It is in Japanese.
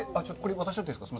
渡しといていいですか。